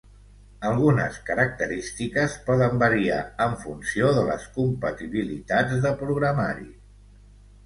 Algunes característiques poden variar en funció de les compatibilitats de programari.